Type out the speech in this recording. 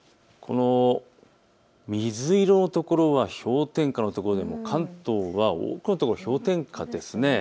水色の所は氷点下の所で関東は多くの所、氷点下です。